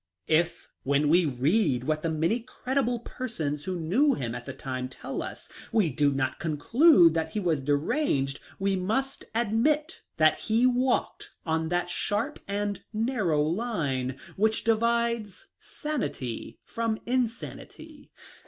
If, when we read what the many credible persons who knew him at the time tell us, we do not con clude that he was deranged, we must admit that he walked on that sharp and narrow line which di vides sanity from insanity.